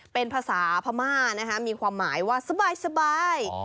เป็นภาษาพม่านะคะมีความหมายว่าสบาย